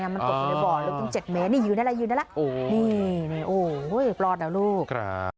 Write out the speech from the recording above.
มันตกในบ่อนตรง๗แม้นี่ยืนได้ละยืนได้ละโอ้โหโอ้โหโอ้ยปลอดละลูก